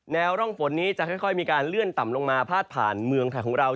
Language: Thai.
ร่องฝนนี้จะค่อยมีการเลื่อนต่ำลงมาพาดผ่านเมืองไทยของเรา